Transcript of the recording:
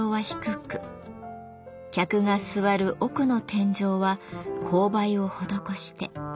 客が座る奥の天井は勾配を施して。